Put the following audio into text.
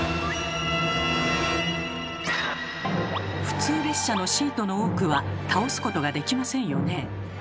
普通列車のシートの多くは倒すことができませんよね。